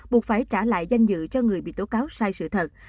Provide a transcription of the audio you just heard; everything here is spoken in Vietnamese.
buộc phải trả lại danh dự cho người bị tố cáo sai sự thật